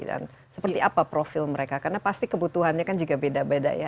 dan seperti apa profil mereka karena pasti kebutuhannya kan juga beda beda ya